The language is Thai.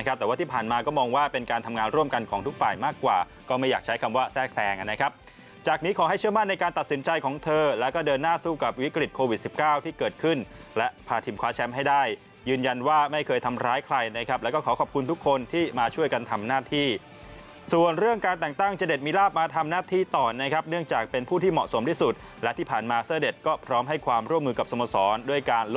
กับวิกฤตโควิดสิบเก้าที่เกิดขึ้นและพาทีมคว้าแชมป์ให้ได้ยืนยันว่าไม่เคยทำร้ายใครนะครับแล้วก็ขอขอบคุณทุกคนที่มาช่วยกันทำหน้าที่ส่วนเรื่องการแต่งตั้งเจด็ดมีราบมาทำหน้าที่ต่อนะครับเนื่องจากเป็นผู้ที่เหมาะสมที่สุดและที่ผ่านมาเซอร์เดชก็พร้อมให้ความร่วมมือกับสมสอนด้วยการล